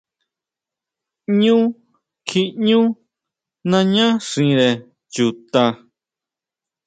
Ñú kjiʼñú naña xire chuta.